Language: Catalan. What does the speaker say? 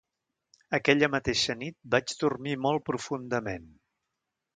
Aquella mateixa nit vaig dormir molt profundament.